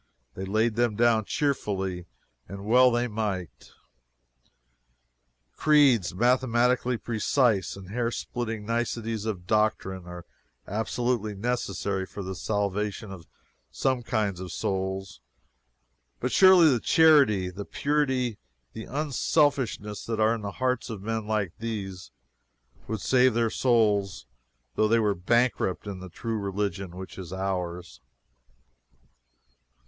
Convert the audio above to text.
They laid them down cheerfully, and well they might. Creeds mathematically precise, and hair splitting niceties of doctrine, are absolutely necessary for the salvation of some kinds of souls, but surely the charity, the purity, the unselfishness that are in the hearts of men like these would save their souls though they were bankrupt in the true religion which is ours.